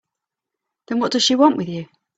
Then what does she want with you?